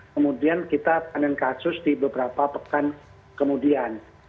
kemudian kita panen kasus di beberapa pekan kemudian